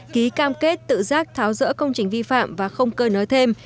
ký cam kết tự giác tháo rỡ công trình vi phạm và không cơi nới thêm